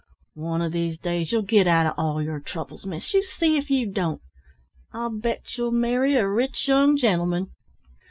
"One of these days you'll get out of all your troubles, miss, you see if you don't! I'll bet you'll marry a rich young gentleman."